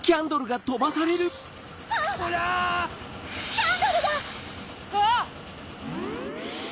キャンドルが！あっ！